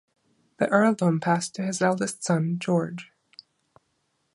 The earldom passed to his eldest son, George.